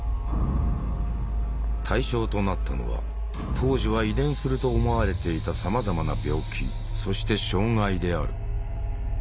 対象となったのは当時は遺伝すると思われていたさまざまな病気そして障害である。